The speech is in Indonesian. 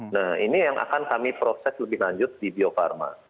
nah ini yang akan kami proses lebih lanjut di bio farma